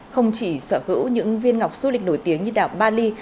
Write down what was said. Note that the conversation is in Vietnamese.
không chỉ sở hữu những viên ngọc du lịch nổi tiếng như đảo bali